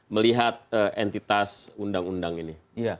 melihat entitas undang undang ini